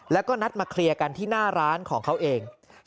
แล้วก็นัดมาเคลียร์กันที่หน้าร้านของเขาเอง